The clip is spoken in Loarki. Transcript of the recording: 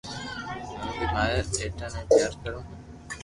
ھون بي ماري ئيتا ني پيار ڪرو ھون